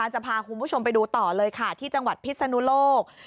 จะพาคุณผู้ชมไปดูต่อเลยค่ะที่จังหวัดพิศนุโลก